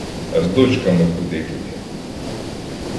А з дочками куди тобі!